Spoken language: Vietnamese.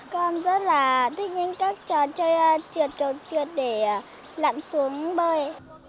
con rất là thích những trò chơi trượt trượt để lặn xuống bơi